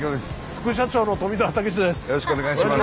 副社長の富澤たけしです。